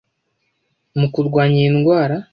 mu kurwanya iyi ndwara,